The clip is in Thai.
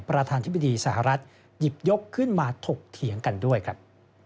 ประธานธิบดีสหรัฐหยิบยกขึ้นมาถกเถียงกันด้วยครับ